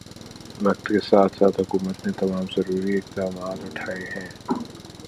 وقت کے ساتھ ساتھ حکومت نے تمام ضروری اقدامات اٹھائے ہیں او